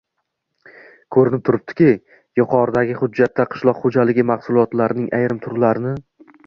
Ko‘rinib turibdiki, yuqoridagi hujjatda qishloq xo‘jaligi mahsulotlarining ayrim turlarini